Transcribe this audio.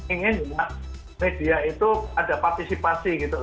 ingin juga media itu ada partisipasi gitu